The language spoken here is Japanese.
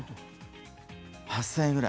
８０００円ぐらい？